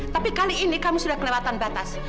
tapi kali ini kami sudah kelewatan batas